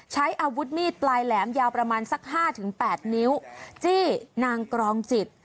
ใช้อาวุธมีดปลายแหลมยาวประมาณสัก๕๘นิ้วจี้นางกรองจิต